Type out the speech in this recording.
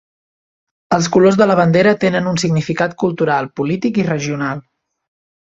Els colors de la bandera tenen un significat cultural, polític i regional.